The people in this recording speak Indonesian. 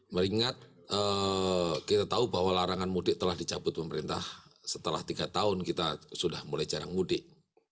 meringat kita tahu bahwa larangan mudik telah dicabut pemerintah setelah tiga tahun kita sudah mulai jarang mudik